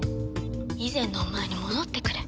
以前のお前に戻ってくれ。